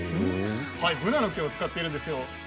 ブナの木を使っているんですよ。